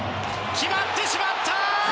決まってしまった！